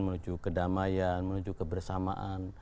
menuju kedamaian menuju kebersamaan